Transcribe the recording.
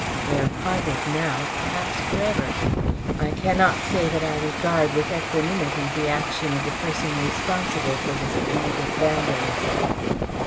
They are parted now, perhaps for ever. I cannot say that I regard with equanimity the action of the person responsible for this deed of vandalism."